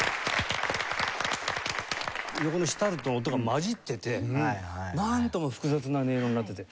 横のシタールと音が混じっててなんとも複雑な音色になってて。